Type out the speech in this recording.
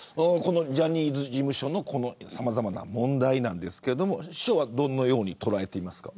ジャニーズ事務所のさまざまな問題なんですがどのように捉えていますか。